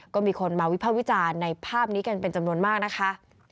ก็มีคนมาวิภาควิจารณ์ในภาพนี้กันเป็นจำนวนมากนะคะ